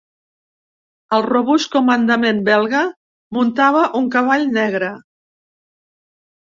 El robust comandament belga, muntava un cavall negre;